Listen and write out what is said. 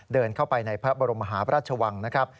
เดินเข้าไปในพระบรมหาพระราชวังนะครับ